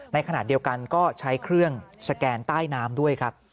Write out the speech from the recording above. ในขณะเดียวกันก็ใช้เครื่องสแกนใต้น้ำด้วยครับ